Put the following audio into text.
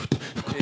え？